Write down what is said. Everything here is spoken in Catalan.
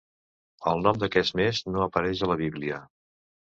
El nom d'aquest mes no apareix a la Bíblia.